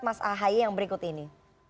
mas ahaye yang berikut ini